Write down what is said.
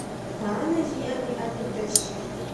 Анэ зиIэм и Iэр быдэщ.